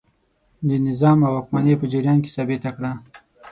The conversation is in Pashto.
د نظام او واکمنۍ په جریان کې ثابته کړه.